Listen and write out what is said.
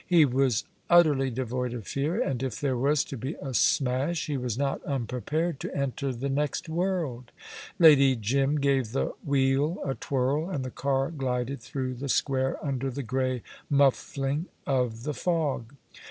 He was utterly devoid of fear, and if there was to be a smash, he was not unprepared to enter the next world. Lady Jim gave the wheel a twirl, and the car glided through the square under the grey muffling of the fog.